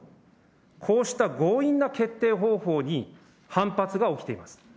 こうした強引な決定方法に、反発が起きています。